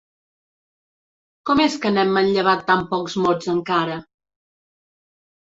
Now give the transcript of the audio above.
¿Com és que n'hem manllevat tan pocs mots, encara?